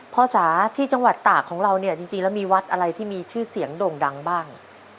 จ๋าที่จังหวัดตากของเราเนี่ยจริงแล้วมีวัดอะไรที่มีชื่อเสียงโด่งดังบ้าง